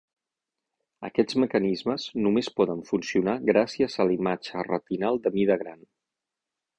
Aquests mecanismes només poden funcionar gràcies a la imatge retinal de mida gran.